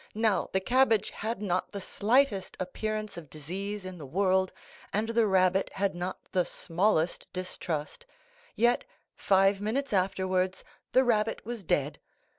Now, the cabbage had not the slightest appearance of disease in the world, and the rabbit had not the smallest distrust; yet, five minutes afterwards, the rabbit was dead.